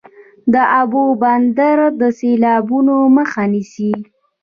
د اوبو بندونه د سیلابونو مخه نیسي